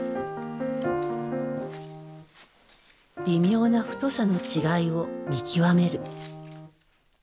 微妙な太さの違いを見極める。